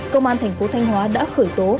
công an tp thanh hóa đã khởi tố